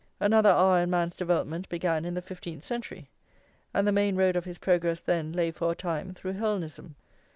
Another hour in man's development began in the fifteenth century, and the main road of his progress then lay for a time through Hellenism.